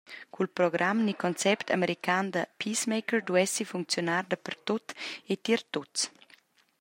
Cul program ni concept american da peacemaker duessi funcziunar dapertut e tier tuts.